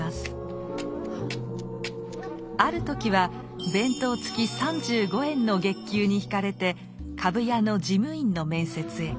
ある時は「弁当つき三十五円」の月給にひかれて株屋の事務員の面接へ。